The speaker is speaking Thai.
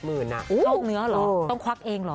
นอกเนื้อเหรอต้องควักเองเหรอ